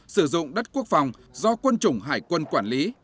sử dụng đất quốc phòng do quân chủng hải quân quản lý